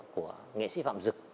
của nghệ sĩ phạm dực